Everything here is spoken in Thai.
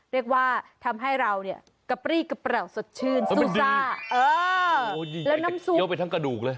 เรียกว่าทำให้เราเนี่ยกระปรี้กระเปราวสดชื่นซูซ่าเออแล้วน้ำซุมเยอะไปทั้งกระดูกเลย